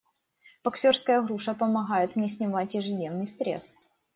Боксёрская груша помогает мне снимать ежедневный стресс.